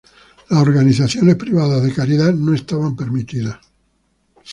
Las organizaciones privadas de caridad no estaban permitidas.